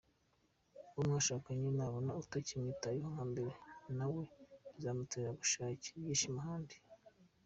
Uwo mwashakanye nabona utakimwitaho nkambere, na we bizamutera gushakira ibyishimo ahandi.